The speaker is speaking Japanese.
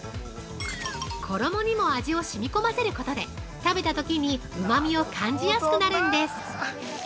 ◆衣にも味をしみ込ませることで食べたときにうまみを感じやすくなるんです。